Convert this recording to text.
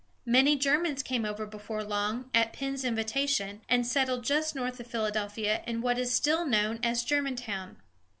Many Germans came over before long, at Penn's invitation, and settled just north of Philadelphia, in what is still known as Ger´man town.